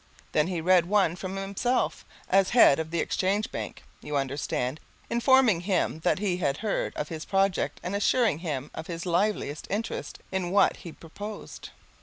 Then he read one from himself, as head of the Exchange Bank, you understand, informing him that he had heard of his project and assuring him of his liveliest interest in what he proposed.